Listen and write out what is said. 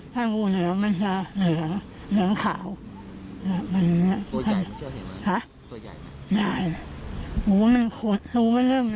แต่ไม่เคยโดนฉกตัวอะไรใช่ไหมไม่เคยแต่ไม่เคย